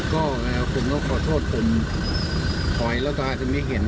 ก็ผมก็ขอโทษผมถอยแล้วก็อาจจะไม่เห็น